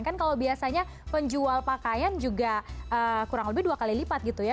kan kalau biasanya penjual pakaian juga kurang lebih dua kali lipat gitu ya